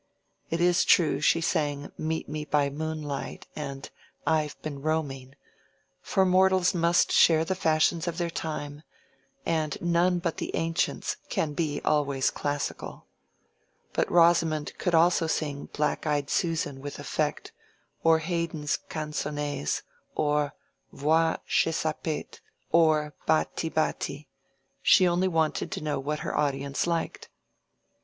It is true she sang "Meet me by moonlight," and "I've been roaming"; for mortals must share the fashions of their time, and none but the ancients can be always classical. But Rosamond could also sing "Black eyed Susan" with effect, or Haydn's canzonets, or "Voi, che sapete," or "Batti, batti"—she only wanted to know what her audience liked.